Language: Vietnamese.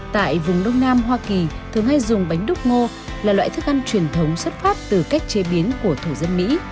tại vùng đông nam hoa kỳ thường hay dùng bánh đúc ngô là loại thức ăn truyền thống xuất phát từ cách chế biến của thủ dân mỹ